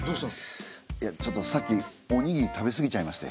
いやちょっとさっきおにぎり食べ過ぎちゃいまして。